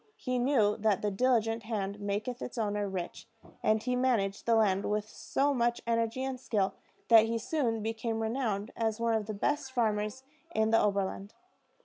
He knew that the diligent hand maketh its owner rich, and he managed the land with so much energy and skill that he soon became renowned as one of the best farmers in the Oberland.